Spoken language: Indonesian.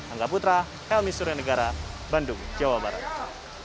angga putra helmi suryanegara bandung jawa barat